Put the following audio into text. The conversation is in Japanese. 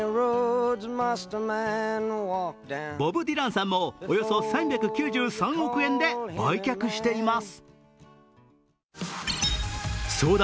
ボブ・ディランさんもおよそ３９３億円で売却しています。